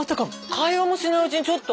会話もしないうちにちょっと。